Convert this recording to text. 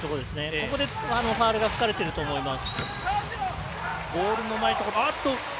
ここでファウルが吹かれていると思います。